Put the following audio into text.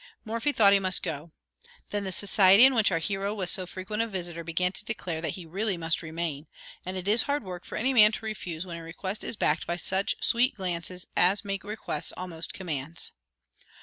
Morphy thought he must go. Then the society in which our hero was so frequent a visitor began to declare that he really must remain, and it is hard work for any man to refuse when a request is backed by such sweet glances as make requests almost commands.